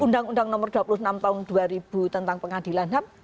undang undang nomor dua puluh enam tahun dua ribu tentang pengadilan ham